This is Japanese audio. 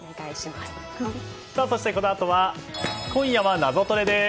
このあとは「今夜はナゾトレ」。